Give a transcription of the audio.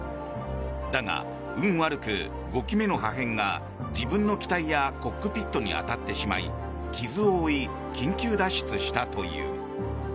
だが、運悪く５機目の破片が自分の機体やコックピットに当たってしまい傷を負い、緊急脱出したという。